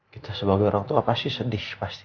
kita sebagai orang tua pasti sedih pasti